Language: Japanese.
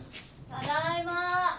ただいま。